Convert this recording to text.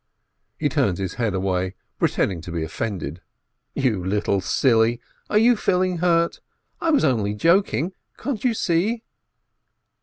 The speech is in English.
He turns his head away, pretending to be offended. "You little silly, are you feeling hurt? I was only joking, can't you see